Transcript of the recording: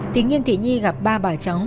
thì nghiêm thị nhi gặp ba bà cháu